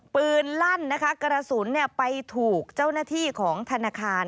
ลั่นนะคะกระสุนไปถูกเจ้าหน้าที่ของธนาคาร